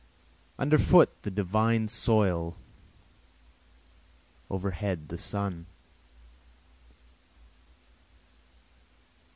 Underfoot the divine soil, overhead the sun.